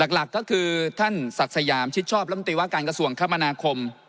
หลักก็คือท่านศักดิ์สยามชิดชอบรัฐมนตรีว่าการกระทรวงคมนาคม